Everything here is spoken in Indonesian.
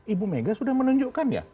ibu mega sudah menunjukkan ya